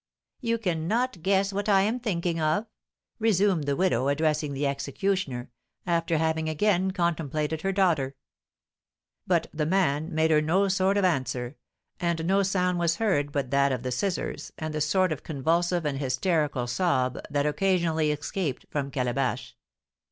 You cannot guess what I am thinking of?" resumed the widow, addressing the executioner, after having again contemplated her daughter. But the man made her no sort of answer, and no sound was heard but that of the scissors, and the sort of convulsive and hysterical sob that occasionally escaped from Calabash.